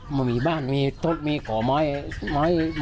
มันมีบ้านมีต้นมีก่อไม้